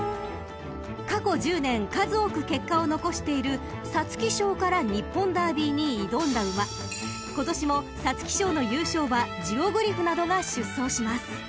［過去１０年数多く結果を残している皐月賞から日本ダービーに挑んだ馬］［今年も皐月賞の優勝馬ジオグリフなどが出走します］